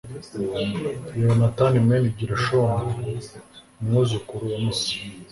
yehonatani mwene gerishomu, umwuzukuru wa musa